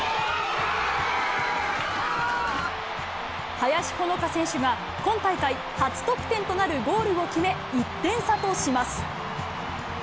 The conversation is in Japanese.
林ほのか選手が、今大会初得点となるゴールを決め、１点差とします。